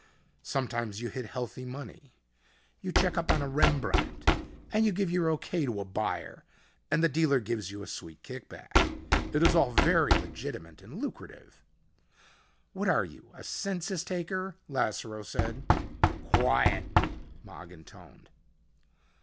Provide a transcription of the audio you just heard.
Sometimes you hit healthy money. You check up on a Rembrandt and you give your okay to a buyer and the dealer gives you a sweet kick back. It is all very legitimate and lucrative " "What are you, a census taker?" Lasseroe said. "Quiet," Mogin toned.